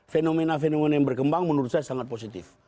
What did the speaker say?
fenomena fenomena yang berkembang menurut saya sangat positif